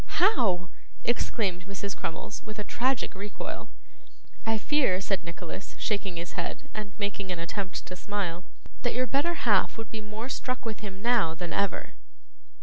'How!' exclaimed Mrs. Crummles, with a tragic recoil. 'I fear,' said Nicholas, shaking his head, and making an attempt to smile, 'that your better half would be more struck with him now than ever.